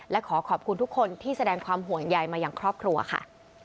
และขอขอบคุณทุกคนที่แสดงความห่วงใยมาอย่างครอบครัวค่ะ